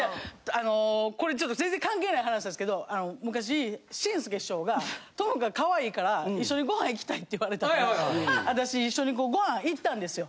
あのこれちょっと全然関係ない話なんですけどあの昔紳助師匠が友香かわいいから一緒にご飯行きたいって言われたから私一緒にご飯行ったんですよ。